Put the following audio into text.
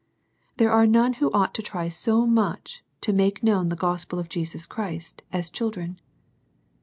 There are none who ought to try so much to make known the Gospel of Jesus Christ as children.